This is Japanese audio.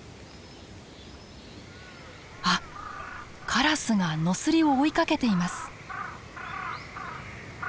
あっカラスがノスリを追いかけています。